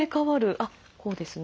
あっこうですね。